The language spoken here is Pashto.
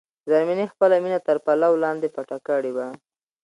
زرمینې خپله مینه تر پلو لاندې پټه کړې ده.